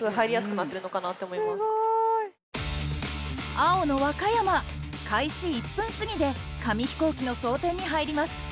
青の和歌山開始１分過ぎで紙飛行機の装填に入ります。